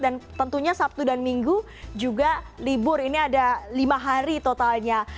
tentunya sabtu dan minggu juga libur ini ada lima hari totalnya